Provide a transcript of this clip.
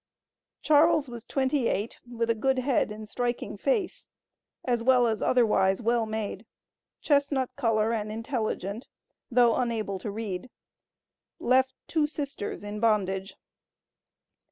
Charles was twenty eight, with a good head and striking face, as well as otherwise well made; chestnut color and intelligent, though unable to read. Left two sisters in bondage.